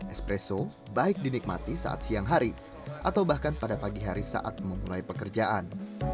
espresso baik dinikmati saat siang hari atau bahkan pada pagi hari saat memulai pekerjaan